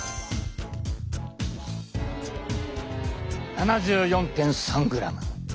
７４．３ｇ。